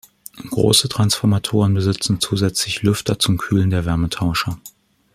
Große Transformatoren besitzen zusätzlich Lüfter zum Kühlen der Wärmetauscher.